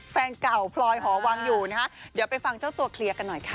แฟนเก่าพลอยหอวังอยู่นะคะเดี๋ยวไปฟังเจ้าตัวเคลียร์กันหน่อยค่ะ